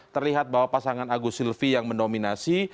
terlihat bahwa pasangan agus silvi yang mendominasi